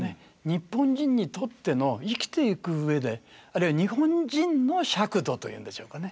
日本人にとっての生きていく上であるいは日本人の尺度というんでしょうかね